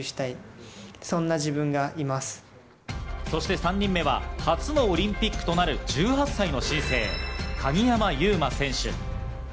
そして３人目は初のオリンピックとなる１８歳の新星・鍵山優真選手。